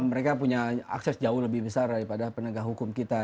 mereka punya akses jauh lebih besar daripada penegak hukum kita